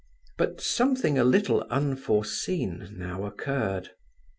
But something a little unforeseen now occurred.